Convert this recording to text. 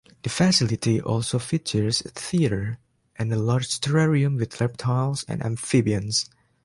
The facility also features a theater and a large terrarium with reptiles and amphibians.